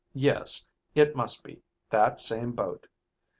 yes, it must be, that same boat.